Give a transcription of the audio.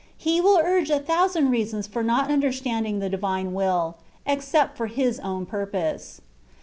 He will urge a thoussmd reasons for not understanding the divine will, except for his own purpose.